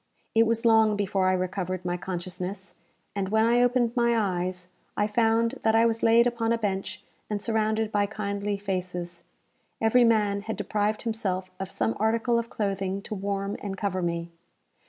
It was long before I recovered my consciousness, and, when I opened my eyes, I found that I was laid upon a bench and surrounded by kindly faces. Every man had deprived himself of some article of clothing to warm and cover me.